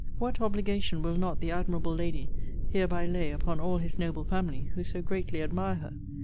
What obligation will not the admirable lady hereby lay upon all his noble family, who so greatly admire her!